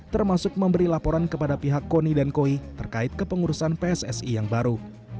termasuk memberi laporan kepada pihak koni dan koi terkait kepengurusan pssi yang baru